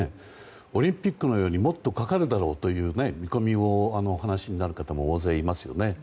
オリンピックのようにもっとかかるだろうという見込みをお話しになる方も大勢いますよね。